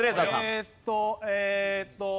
えっとえーっと。